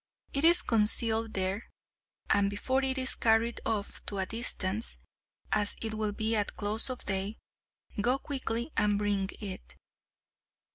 It is concealed there, and before it is carried off to a distance, as it will be at close of day, go quickly and bring it."